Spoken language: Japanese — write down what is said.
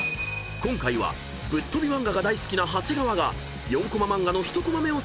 ［今回はぶっ飛び漫画が大好きな長谷川が４コマ漫画の１コマ目を制作］